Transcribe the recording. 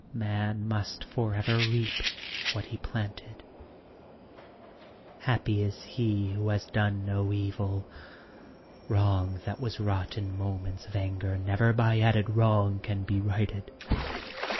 Man must for ever reap what he planted: Happy is he who has done no evil. Wrong that was wrought in moments of anger Never by added wrong can be righted.